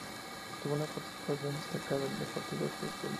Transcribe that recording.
Tuvo una participación destacada en el Partido Justicialista entrerriano.